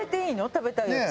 食べたいやつ。